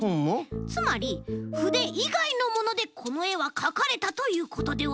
つまりふでいがいのものでこのえはかかれたということでは？